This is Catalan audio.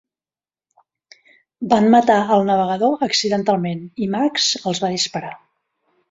Van matar el navegador accidentalment i Max els va disparar.